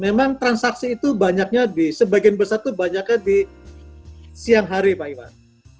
memang transaksi itu banyaknya di sebagian besar itu banyaknya di siang hari pak iwan